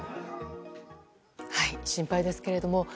心配ですけれども。